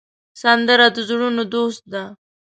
سندره د زړونو دوست ده